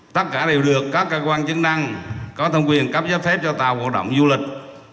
tất cả đều được các cơ quan chứng năng có thông quyền cấp giá phép cho tàu hoạt động du lịch